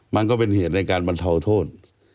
มันก็เป็นเหตุในการบรรเทาโทษ